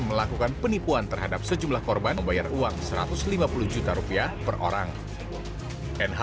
melakukan penipuan terhadap sejumlah korban membayar uang satu ratus lima puluh juta rupiah per orang nh